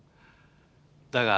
だが